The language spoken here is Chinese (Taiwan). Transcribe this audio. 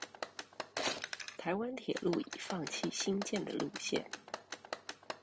臺灣鐵路已放棄興建的路線